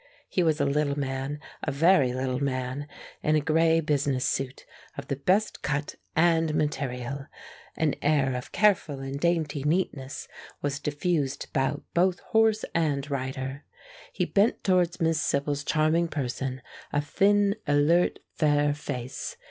He was a little man, a very little man, in a gray business suit of the best cut and material. An air of careful and dainty neatness was diffused about both horse and rider. He bent towards Miss Sibyl's charming person a thin, alert, fair face.